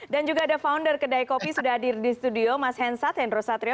dan juga ada founder kedai kopi sudah hadir di studio mas hensat hendro satrio